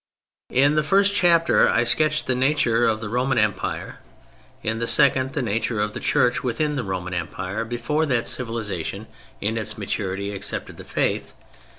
In the first chapter I sketched the nature of the Roman Empire, in the second the nature of the Church within the Roman Empire before that civilization in its maturity accepted the Faith.